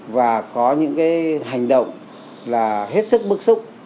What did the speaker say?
và có những hành động là hết sức bức xúc